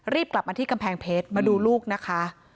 กลับมาที่กำแพงเพชรมาดูลูกนะคะ